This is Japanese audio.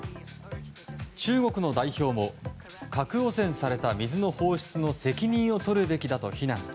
中国の代表も核汚染された水の放出の責任を取るべきだと非難。